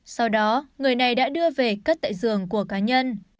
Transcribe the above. sau đó người này đã đưa về cất tại giường của cá nhân